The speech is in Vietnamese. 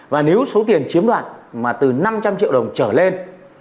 và nếu số tiền chiếm đoạt mà từ năm trăm linh triệu đồng trở lên